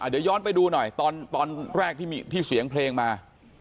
เดี๋ยวย้อนไปดูหน่อยตอนแรกที่เสียงเพลงมา